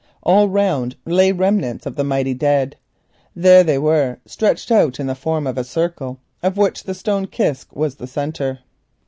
All round lay remnants of the dead. There they were, stretched out in the form of a circle, of which the stone kist was the centre.